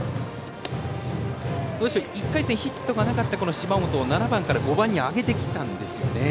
１回戦、ヒットがなかった芝本を７番から５番に上げてきたんですよね。